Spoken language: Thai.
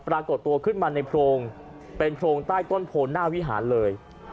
ปรากฏตัวขึ้นมาในโพรงเป็นโพรงใต้ต้นโพนหน้าวิหารเลย